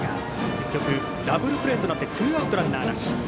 結局ダブルプレーとなってツーアウト、ランナーなし。